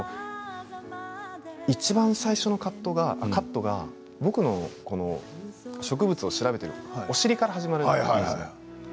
いちばん最初のカットが僕の植物を調べているお尻から始まるんですよね。